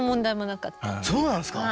そうなんですか？